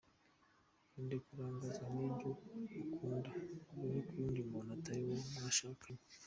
Irinde kurangazwa n’ibyo ukunda ubonye ku wundi muntu utari uwo mwashakanye.